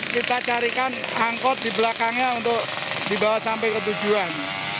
kita carikan angkot di belakangnya untuk dibawa sampai ke tujuan